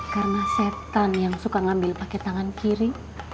karena setan yang suka ngambil pakai tangan kiri